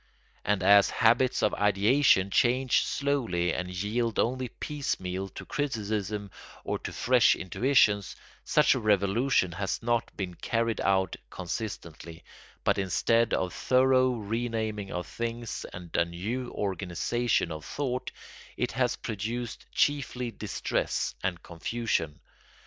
And as habits of ideation change slowly and yield only piecemeal to criticism or to fresh intuitions, such a revolution has not been carried out consistently, but instead of a thorough renaming of things and a new organisation of thought it has produced chiefly distress and confusion.